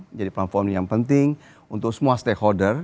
menjadi platform yang penting untuk semua stakeholder